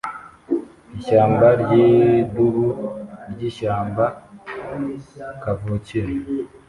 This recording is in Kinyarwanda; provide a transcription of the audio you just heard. Ishyamba ryidubu ryishyamba kavukire